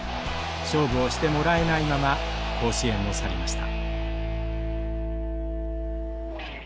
勝負をしてもらえないまま甲子園を去りました。